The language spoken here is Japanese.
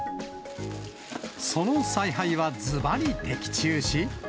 その采配はずばり的中し。